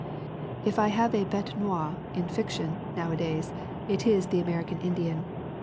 If I have a bete noire in fiction, nowadays, it is the American Indian.